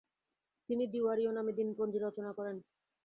তিনি দিয়ারিও নামের দিনপঞ্জি রচনা করেন।